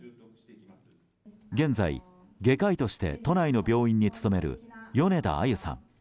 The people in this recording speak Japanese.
現在、外科医として都内の病院に勤める米田あゆさん。